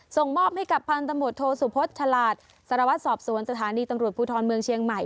ส่งมอบให้กับพันธมุตโทสุพธธราชสรวจสอบสวนสถานีตำรวจภูทรเมืองเชียงใหม่